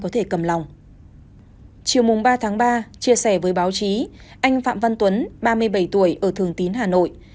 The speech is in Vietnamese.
trường mùng ba tháng ba chia sẻ với báo chí anh phạm văn tuấn ba mươi bảy tuổi ở thường tín hà nội